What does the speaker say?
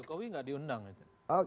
jokowi nggak diundang